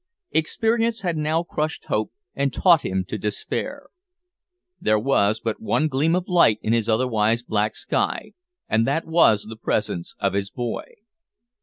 Experience had now crushed hope, and taught him to despair. There was but one gleam of light in his otherwise black sky, and that was the presence of his boy.